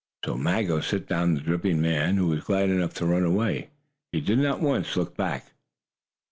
Maggo set down the dripping man, who was glad enough to run away. He did not once look back.